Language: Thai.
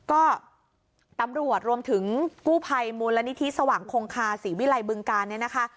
ก็ตำรวจรวมถึงกู้ภัยมูลนิธิสว่างคงคาศรีวิลัยบึงการเนี่ยนะคะ